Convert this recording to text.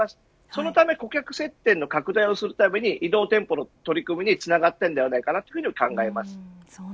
そのため顧客接点の拡大を進めるために移動店舗の取り組みにつながったと思います。